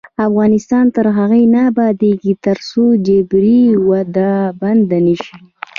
افغانستان تر هغو نه ابادیږي، ترڅو جبري ودونه بند نشي.